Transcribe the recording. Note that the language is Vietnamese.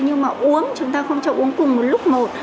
nhưng mà uống chúng ta không cho uống cùng một lúc một